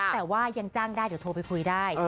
แต่ว่ายังจ้างได้เดี๋ยวโทรไปคุยได้